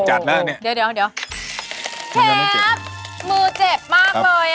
เชฟมือเจ็บมากเลยอ่ะ